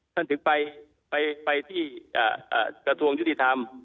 ถึงไปที่กระทรวงยุติธรรม